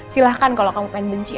silahkan kalau kamu pengen benci